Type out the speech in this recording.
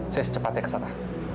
saya secepatnya ke sana